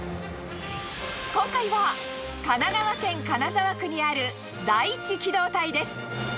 今回は、神奈川県金沢区にある第一機動隊です。